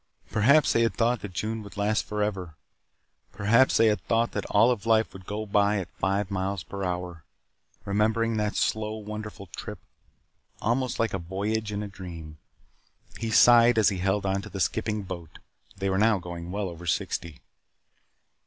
Perhaps they had thought that June would last forever. Perhaps they had thought that all of life would go by at five miles per hour. Remembering that slow, wonderful trip almost like a voyage in a dream he sighed as he held on to the skipping boat. They were now going well over sixty.